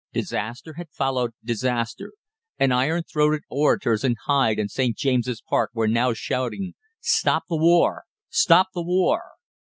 Disaster had followed disaster, and iron throated orators in Hyde and St. James's Parks were now shouting "Stop the war! Stop the war!"